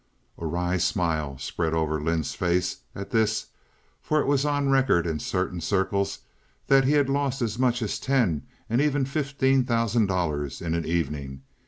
A wry smile spread over Lynde's face at this, for it was on record in certain circles that he had lost as much as ten and even fifteen thousand in an evening.